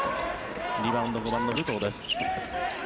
リバウンド、５番の武藤です。